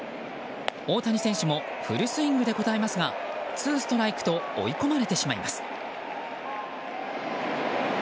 大谷選手もフルスイングで応えますがツーストライクと追い込まれてしまいます。